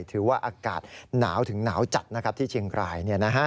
ถือว่าอากาศหนาวถึงหนาวจัดนะครับที่เชียงราย